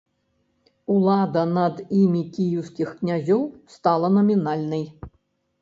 Улада над імі кіеўскіх князёў стала намінальнай.